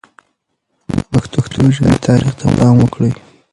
د پښتو ژبې تاریخ ته پام وکړئ.